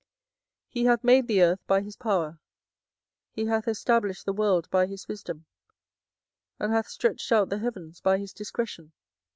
24:010:012 He hath made the earth by his power, he hath established the world by his wisdom, and hath stretched out the heavens by his discretion.